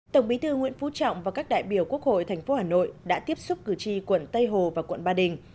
tổng bí thư nguyễn phú trọng và các đại biểu quốc hội tp hà nội đã tiếp xúc cử tri quận tây hồ và quận ba đình